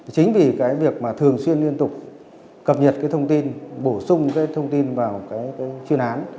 chính vì cái việc mà thường xuyên liên tục cập nhật cái thông tin bổ sung cái thông tin vào cái chuyên án